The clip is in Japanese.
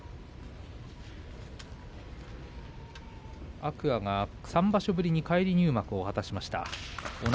天空海は３場所ぶりに返り入幕を果たしました。